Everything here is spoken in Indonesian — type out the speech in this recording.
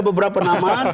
beberapa atau satu